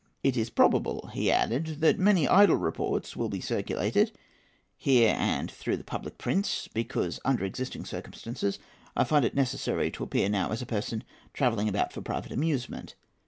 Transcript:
[A] It is probable," he added, "that many idle reports will be circulated here and through the public prints, because, under existing circumstances, I find it necessary to appear now as a person travelling about for private amusement.